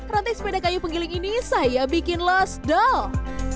rantai sepeda kayu penggiling ini saya bikin los dong